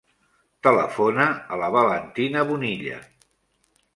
Telefona a la Valentina Bonilla.